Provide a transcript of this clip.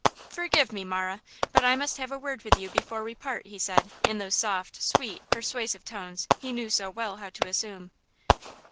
"Forgive, me, Marah, but I must have a word with you before we part," he said, in those soft, sweet, persuasive tones he knew so well how to assume.